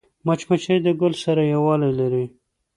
مچمچۍ له ګل سره یووالی لري